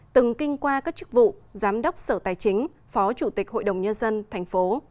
từng kinh qua các chức vụ giám đốc sở tài chính phó chủ tịch hội đồng nhân dân tp